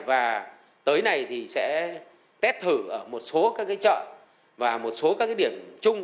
và tới này thì sẽ test thử ở một số các chợ và một số các điểm chung